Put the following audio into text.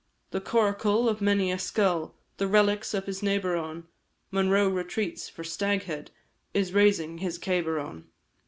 The coracle of many a skull, The relics of his neighbour, on, Monro retreats for Staghead Is raising his cabar on.